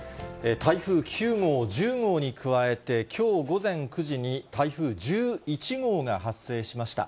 台風９号、１０号に加えてきょう午前９時に、台風１１号が発生しました。